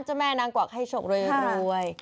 เจ้าแม่นางกว่าไข้โฉงเรียนรวย